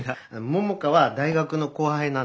桃香は大学の後輩なんだ。